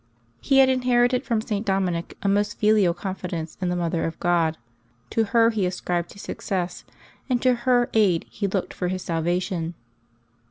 He had in herited from St. Dominic a most filial confidence in the Mother of God ; to her he ascribed his success, and to her aid he looked for his salvation.